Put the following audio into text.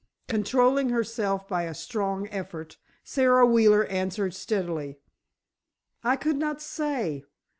Controlling herself by a strong effort, Sara Wheeler answered steadily, "I could not say.